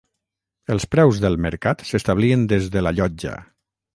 Els preus del mercat s'establien des de la llotja.